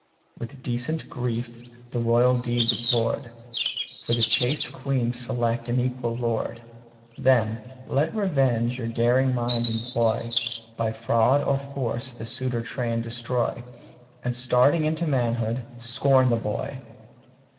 With decent grief the royal dead deplored, For the chaste queen select an equal lord. Then let revenge your daring mind employ, By fraud or force the suitor train destroy, And starting into manhood, scorn the boy.